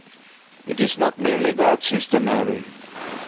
" It is not merely that, Sister Mary."